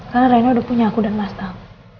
karena rena udah punya aku dan mas tau